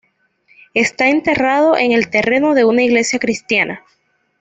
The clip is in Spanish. Está enterrado en el terreno de una iglesia cristiana.